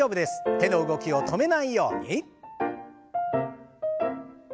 手の動きを止めないように。